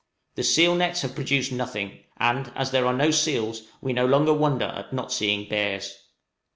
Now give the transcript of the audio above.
The seal nets have produced nothing; and as there are no seals, we no longer wonder at not seeing bears.